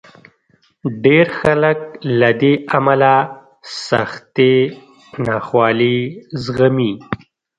ډېر خلک له دې امله سختې ناخوالې زغمي.